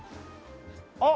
あっ！